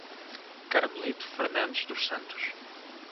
Carmelito Fernandes dos Santos